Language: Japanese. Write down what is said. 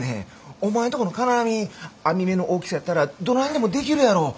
お前んとこの金網網目の大きさやったらどないにでもできるやろ。